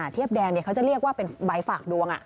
เทียบแดงเขาจะเรียกว่าเป็นใบฝากดวง